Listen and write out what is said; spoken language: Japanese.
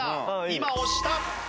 今押した。